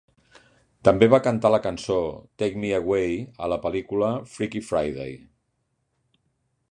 També va cantar la cançó "Take Me Away" a la pel·lícula "Freaky Friday".